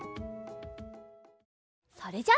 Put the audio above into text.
それじゃあ